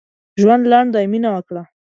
ژوند لنډ دی؛ مينه وکړه.